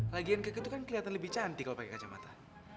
lagian keke tuh kan keliatan lebih cantik kalo pake kacamata